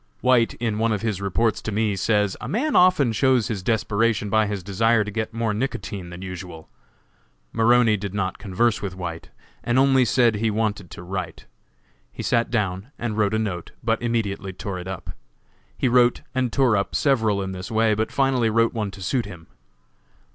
White, in one of his reports to me, says: "A man often shows his desperation by his desire to get more nicotine than usual." Maroney did not converse with White, and only said he wanted to write. He sat down and wrote a note, but immediately tore it up. He wrote and tore up several in this way, but finally wrote one to suit him.